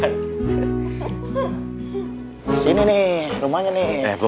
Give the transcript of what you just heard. sungguh sungguh kes industries my own viking is mustard